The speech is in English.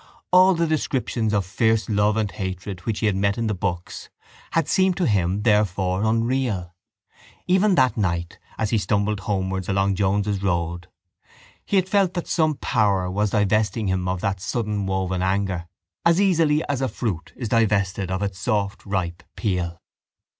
All the descriptions of fierce love and hatred which he had met in books had seemed to him therefore unreal. Even that night as he stumbled homewards along Jones's Road he had felt that some power was divesting him of that suddenwoven anger as easily as a fruit is divested of its soft ripe peel.